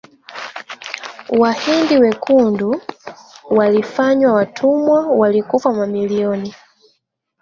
Wahindi wekundu walifanywa watumwa walikufa mamilioni